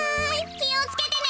きをつけてね！